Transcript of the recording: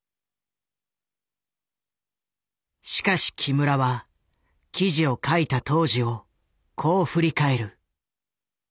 しかし木村は記事を書いた当時をこう振り返る。